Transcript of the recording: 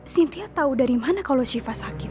sintia tahu dari mana kalau siva sakit